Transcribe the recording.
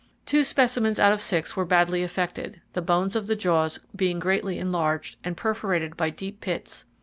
Two specimens out of six were badly affected, the bones of the jaws being greatly enlarged, and perforated by deep pits.